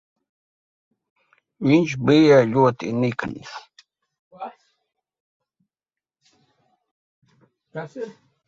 Viņš bija ļoti nikns.